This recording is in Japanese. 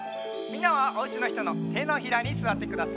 みんなはおうちのひとのてのひらにすわってください。